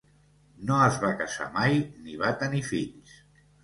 No es va casar mai ni va tenir fills.